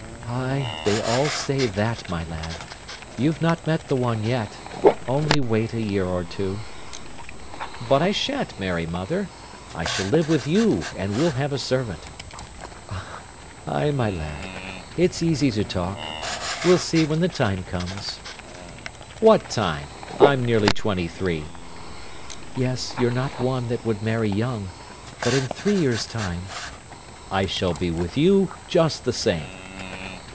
"Ay, they all say that, my lad. You've not met the one yet. Only wait a year or two." "But I shan't marry, mother. I shall live with you, and we'll have a servant." "Ay, my lad, it's easy to talk. We'll see when the time comes." "What time? I'm nearly twenty three." "Yes, you're not one that would marry young. But in three years' time—" "I shall be with you just the same."